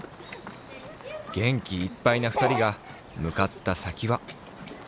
げんきいっぱいな２人がむかった先は。